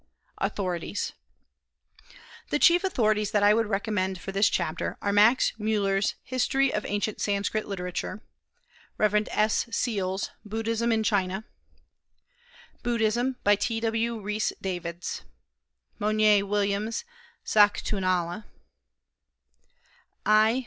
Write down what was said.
AUTHORITIES. The chief authorities that I would recommend for this chapter are Max Müller's History of Ancient Sanskrit Literature; Rev. S. Seal's Buddhism in China; Buddhism, by T. W. Rhys Davids; Monier Williams's Sákoontalá; I.